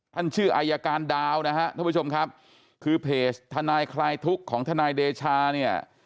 ชื่ออายการดาวนะฮะท่านผู้ชมครับคือเพจทนายคลายทุกข์ของทนายเดชาเนี่ย